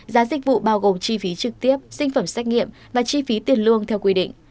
giá dịch vụ bao gồm chi phí trực tiếp sinh phẩm xét nghiệm và chi phí tiền lương theo quy định